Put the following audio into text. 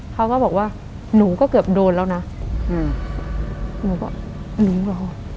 เขาก็บอกว่าหนูก็เกือบโดนแล้วนะอืมหนูก็หนูเหรอ